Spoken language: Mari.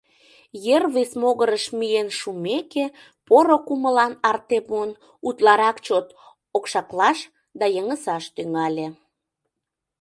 Ер вес могырыш миен шумеке, поро кумылан Артемон утларак чот окшаклаш да йыҥысаш тӱҥале.